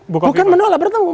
bukan menolak bertemu